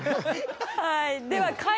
はい。